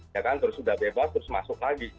ya kan terus sudah bebas terus masuk lagi